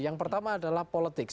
yang pertama adalah politik